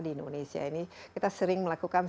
di indonesia ini kita sering melakukan